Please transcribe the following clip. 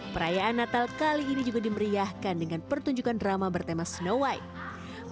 perayaan natal kali ini juga dimeriahkan dengan pertunjukan drama bertema snow white